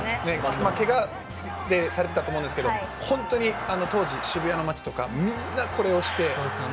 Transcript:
けがでされていたと思いますが本当に当時は渋谷の街とかみんなこれをして。